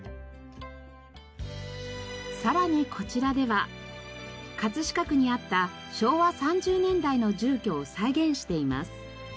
さらにこちらでは飾区にあった昭和３０年代の住居を再現しています。